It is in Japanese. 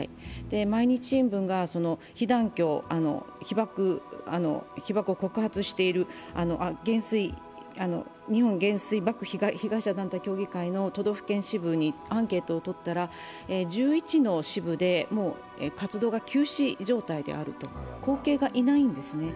「毎日新聞」が被団協、被爆を告発している日本原水爆被害者団体協議会の都道府県支部にアンケートを取ったら、１１の支部でもう活動が休止状態であると。後継がいないんですね。